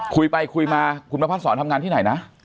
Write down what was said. คุยไปคุยมาคุณมภาษาสอนทำงานที่ไหนนะ